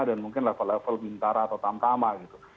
dan mungkin level level bintara atau tamtama gitu